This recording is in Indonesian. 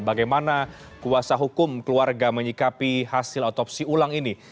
bagaimana kuasa hukum keluarga menyikapi hasil otopsi ulang ini